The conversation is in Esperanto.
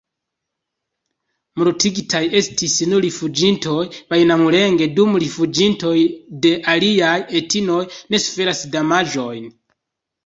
Mortigitaj estis nur rifuĝintoj-banjamulenge, dum rifuĝintoj de aliaj etnoj ne suferis damaĝojn.